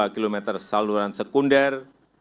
lima puluh dua km saluran sekunder